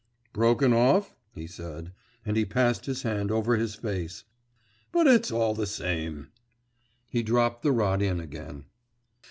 'Broken off?' he said, and he passed his hand over his face. 'But it's all the same!' He dropped the rod in again.